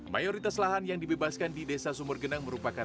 mayoritas lahan yang dibebaskan di desa sumur genang merupakan